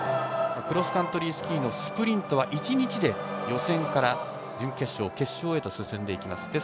クロスカントリースキーのスプリントは、１日で予選から準決勝、決勝へと進んでいきます。